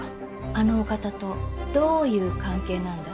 あのお方とどういう関係なんだい？